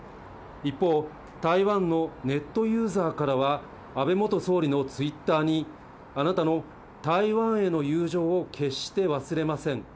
一方、台湾のネットユーザーからは、安倍元総理のツイッターに、あなたの台湾への友情を決して忘れません。